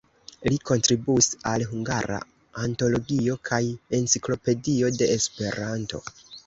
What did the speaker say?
Li kontribuis al "Hungara Antologio" kaj "Enciklopedio de Esperanto".